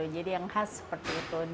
jadi yang khas seperti itu